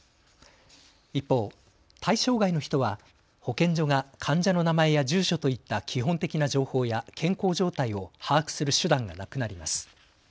一方、対象外の人は保健所が患者の名前や住所といった基本的な情報や健康状態を把握する手段がなくなります。